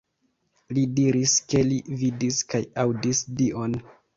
Li diris ke li vidis kaj aŭdis Dion.